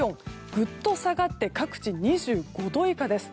ぐっと下がって各地２５度以下です。